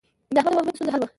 د احمد او محمود ستونزه حل وه.